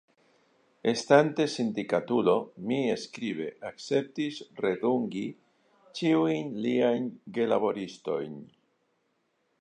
Estante sindikatulo, mi skribe akceptis redungi ĉiujn liajn gelaboristojn.